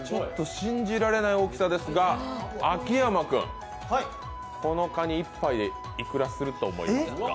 信じられない大きさですが秋山君、このかに１杯でいくらすると思いますか？